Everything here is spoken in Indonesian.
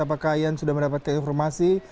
apakah ian sudah mendapatkan informasi